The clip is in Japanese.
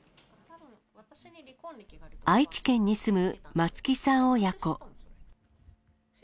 愛知県に住む松木さん親子。